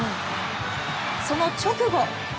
その直後。